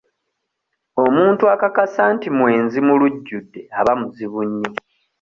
Omuntu akakasa nti mwenzi mu lujjudde aba muzibu nnyo.